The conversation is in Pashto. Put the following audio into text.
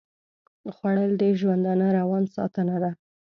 خوړل د ژوندانه روان ساتنه ده